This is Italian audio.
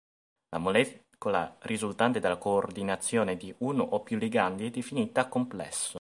La molecola risultante dalla coordinazione di uno o più ligandi è definita complesso.